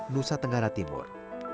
nusa tenggara timur